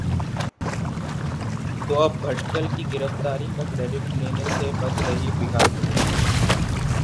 तो अब भटकल की गिरफ्तारी का क्रेडिट लेने से बच रही बिहार पुलिस...